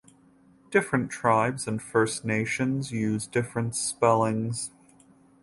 Different tribes and First Nations use different spellings.